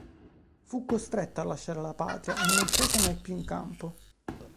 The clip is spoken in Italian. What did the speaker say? Fu costretto a lasciare la partita e non scese mai più in campo.